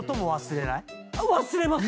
忘れます！